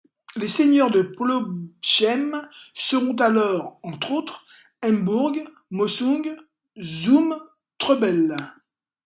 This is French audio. Les seigneurs de Plobsheim seront alors, entre autres Heimbourg, Mossung, zum Treubel.